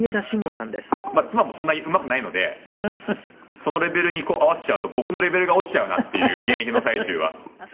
なかなかまあ妻もそんなにうまくないのでそのレベルに合わせちゃうと僕のレベルが落ちちゃうなっていう現役の最中は恐れがあって。